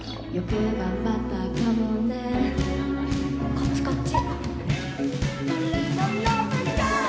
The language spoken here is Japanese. ・こっちこっち！